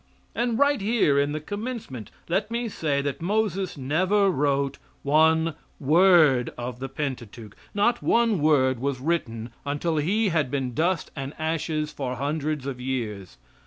And right here in the commencement let me say that Moses never wrote one word of the Pentateuch not one word was written until he had been dust and ashes for hundreds of years.